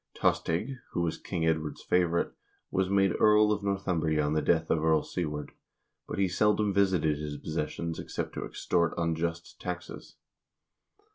Tostig, who was King Edward's favorite, was made Earl of Northumbria on the death of Earl Siward, but he seldom visited his possessions except to extort unjust taxes.